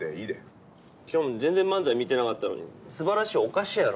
今日も全然漫才見てなかったのに「素晴らしい」はおかしいやろ。